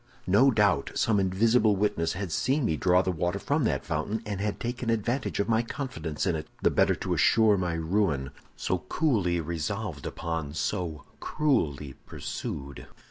"No doubt some invisible witness had seen me draw the water from that fountain, and had taken advantage of my confidence in it, the better to assure my ruin, so coolly resolved upon, so cruelly pursued.